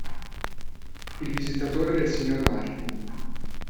Il visitatore del signor Martin.